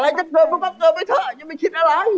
อะไรจะเกิดมึงก็เกิดไปเถอะยังไม่คิดอะไร